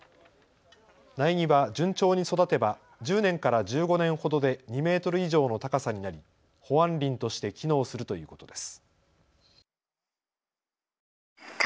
苗木は順調に育てば１０年から１５年ほどで２メートル以上の高さになり保安林として機能するということです。